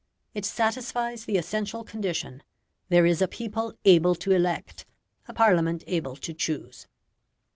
It satisfies the essential condition; there is a people able to elect, a Parliament able to choose.